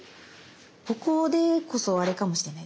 ここでこそあれかもしれないです。